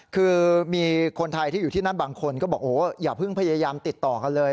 คือมีคนไทยที่อยู่ที่นั่นบางคนก็บอกโอ้โหอย่าเพิ่งพยายามติดต่อกันเลย